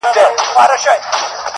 له زلمیو خوښي ورکه له مستیو دي لوېدلي،